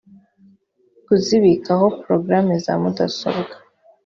kuzibikaho porogaramu za mudasobwa